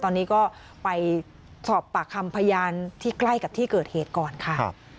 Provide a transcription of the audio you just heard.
ตอนนี้ก็ไปสอบปากคำพยานที่ใกล้กับที่เกิดเหตุก่อนค่ะ